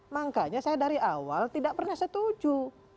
makanya saya dari awal tidak pernah setuju